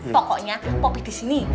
pokoknya poppy disini